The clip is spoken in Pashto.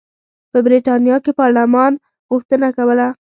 په برېټانیا کې پارلمان غوښتنه کوله.